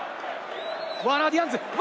ワーナー・ディアンズ！